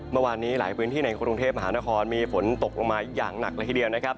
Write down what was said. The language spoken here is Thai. เมื่อวานนี้หลายพื้นที่ในกรุงเทพมหานครมีฝนตกลงมาอย่างหนักเลยทีเดียวนะครับ